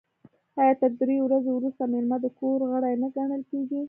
آیا تر دریو ورځو وروسته میلمه د کور غړی نه ګڼل کیږي؟